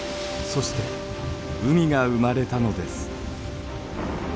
そして海が生まれたのです。